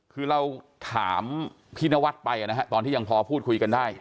คือเราถามพี่นวัดไปนะฮะตอนที่ยังพอพูดคุยกันได้